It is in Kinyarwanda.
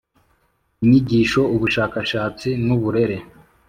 Inyigisho ubushakashatsi n uburere